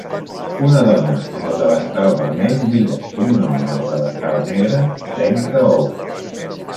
Una dona amb el davantal vermell mira com un home amb el davantal negre trenca ous.